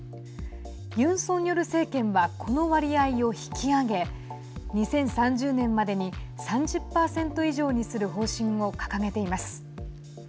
ユン・ソンニョル政権はこの割合を引き上げ２０３０年までに３０％以上にする方針を掲げています。